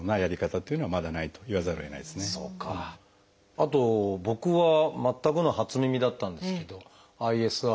あと僕は全くの初耳だったんですけどＩＳＲ。